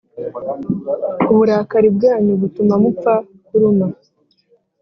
uburakari bwanyu butuma mupfa kuruma